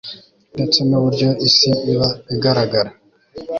ndetse n'uburyo isi iba igaragara